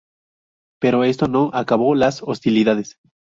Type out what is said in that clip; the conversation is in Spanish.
Pero esto no acabó las hostilidades.